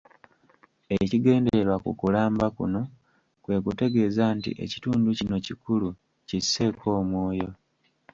Ekigendererwa mu kulamba kuno kwe kutegeeza nti: Ekitundu kino kikulu, kisseeko omwoyo.